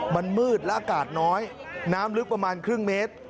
มันมืดและอากาศน้อยน้ำลึกประมาณครึ่งเมตร